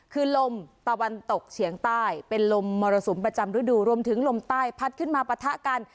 คือลมตะวันตกเฉียงใต้เป็นลมมรสุมประจำฤดูรวมถึงลมใต้พัดขึ้นมาปะทะกัน